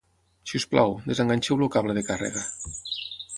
Si us plau, desenganxeu el cable de càrrega.